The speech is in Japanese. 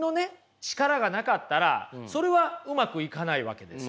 力がなかったらそれはうまくいかないわけですよ。